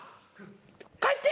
帰って！